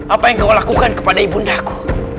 apa yang kau lakukan kepada ibu ndaku